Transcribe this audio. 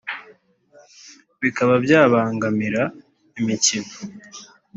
bikaba byabangamira imikino